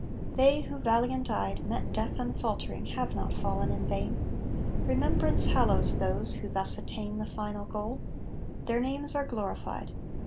They who, valiant eyed, Met death unfaltering have not fallen in vain; Remembrance hallows those who thus attain The final goal; their names are glorified.